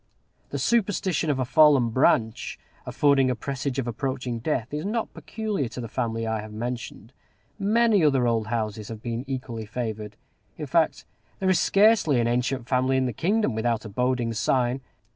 The superstition of a fallen branch affording a presage of approaching death is not peculiar to the family I have mentioned. Many other old houses have been equally favored: in fact, there is scarcely an ancient family in the kingdom without a boding sign.